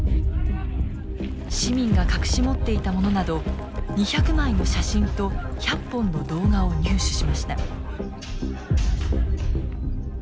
市民が隠し持っていたものなど２００枚の写真と１００本の動画を入手しました。